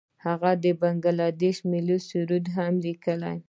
هغه د بنګله دیش ملي سرود هم لیکلی.